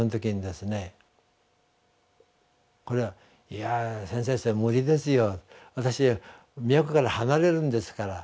「いやぁ先生それは無理ですよ。私宮古から離れるんですから。